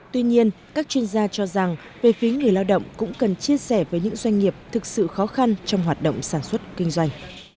tuy nhiên các chuyên gia cho rằng về phía người lao động cũng cần chia sẻ với những doanh nghiệp thực sự khó khăn trong hoạt động sản xuất kinh doanh